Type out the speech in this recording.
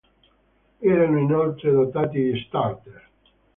Erano inoltre dotati di starter.